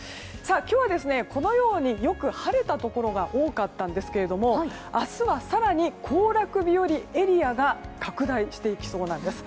今日はこのようによく晴れたところが多かったんですけど明日は更に行楽日和エリアが拡大していきそうなんです。